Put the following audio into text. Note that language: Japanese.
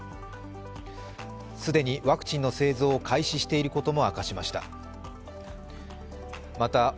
既にワクチンの製造を開始していることも明かしました。